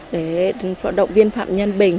để động viên phạm nhân bình